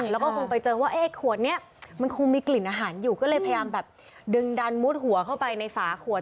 แล้วก็คงไปเจอว่าไอ้ขวดนี้มันคงมีกลิ่นอาหารอยู่ก็เลยพยายามแบบดึงดันมุดหัวเข้าไปในฝาขวด